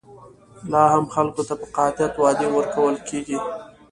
لا هم خلکو ته په قاطعیت وعدې ورکول کېږي.